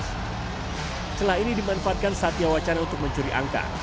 celah ini dimanfaatkan satya wacana untuk mencuri angka